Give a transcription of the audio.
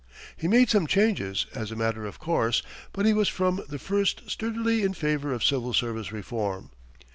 He made some changes, as a matter of course, but he was from the first sturdily in favor of civil service reform.